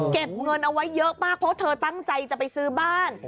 เก็บเงินเอาไว้เยอะมากเพราะเธอตั้งใจจะไปซื้อบ้าน